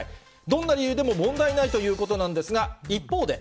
どんな理由でも問題ないということですが、一方で。